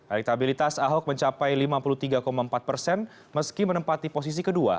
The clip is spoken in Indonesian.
elektabilitas ahok mencapai lima puluh tiga empat persen meski menempati posisi kedua